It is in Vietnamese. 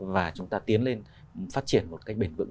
và chúng ta tiến lên phát triển một cách bền vững